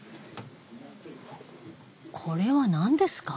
これは何ですか？